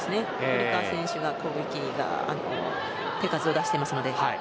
堀川選手が攻撃が手数を出していますので。